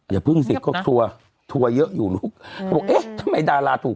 อย่าพึ่งสิครบทัวร์เทราะเยอะอยู่ลูกเอ๊ะทำไมดาราถูก